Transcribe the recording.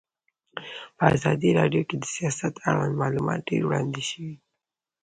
په ازادي راډیو کې د سیاست اړوند معلومات ډېر وړاندې شوي.